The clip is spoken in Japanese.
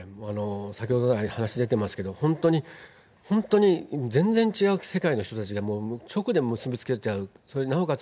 先ほど来、話出てますけども、本当に本当に、全然違う世界の人たちでも、もう直で結び付けちゃう、なおかつ